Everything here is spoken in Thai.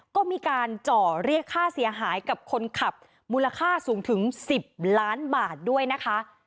ก็มีการเจาะเรียกค่าเสียหายกับคนขับมูลค่าสูงถึง๑๐ล้านบาทด้วยนะคะ